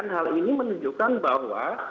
hal ini menunjukkan bahwa